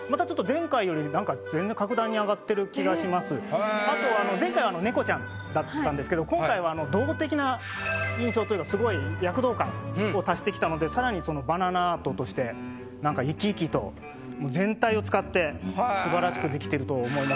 あのあと前回は猫ちゃんだったんですけど今回は動的な印象というかすごい躍動感を足してきたので更にバナナアートとしてなんか生き生きと全体を使って素晴らしくできてると思います。